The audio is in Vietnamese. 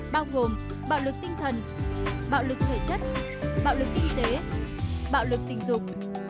bao gồm bạo lực tinh thần bạo lực thể chất bạo lực y tế bạo lực tình dục